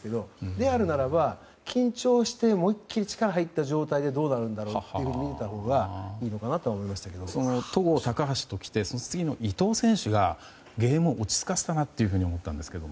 であるならば、緊張して思いっきり力が入った状態でどうなるんだろうと見てたほうが戸郷、高橋と来てその次の伊藤選手がゲームを落ち着かせたなと思ったんですけど。